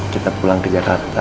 kita pulang ke jakarta